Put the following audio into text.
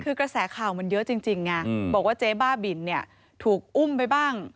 คือกระแสข่าวมันเยอะจริงไงบอกว่าเจ๊บ้าบินเนี่ยถูกอุ้มไปบ้าง